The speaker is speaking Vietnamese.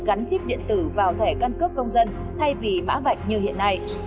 gắn chip điện tử vào thẻ căn cước công dân thay vì mã bệnh như hiện nay